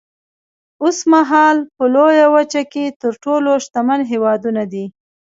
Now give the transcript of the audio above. اوسمهال په لویه وچه کې تر ټولو شتمن هېوادونه دي.